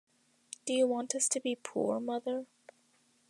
Do you want us to be poor, mother?